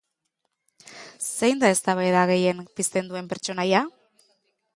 Zein da eztabaida gehien pizten duen pertsonaia?